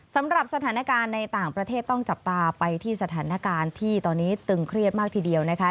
สำหรับสถานการณ์ในต่างประเทศต้องจับตาไปที่สถานการณ์ที่ตอนนี้ตึงเครียดมากทีเดียวนะคะ